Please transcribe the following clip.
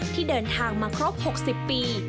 ที่เดินทางมาครบ๖๐ปี